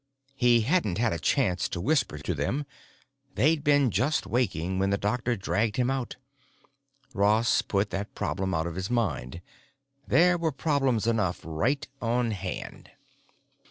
He hadn't had a chance to whisper to them; they'd been just waking when the doctor dragged him out. Ross put that problem out of his mind; there were problems enough right on hand.